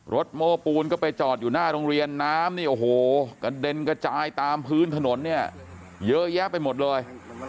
โม้ปูนก็ไปจอดอยู่หน้าโรงเรียนน้ำนี่โอ้โหกระเด็นกระจายตามพื้นถนนเนี่ยเยอะแยะไปหมดเลย